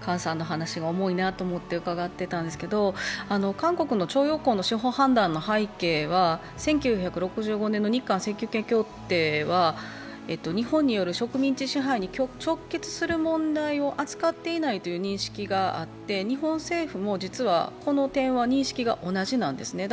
姜さんの話が重いなと思って伺っていたんですけど、韓国の徴用工の司法判断の背景は１９６５年の日韓請求権協定は日本による植民地支配に直結する問題を扱っていないという認識があって日本政府も、実はこの点は認識は同じなんですね。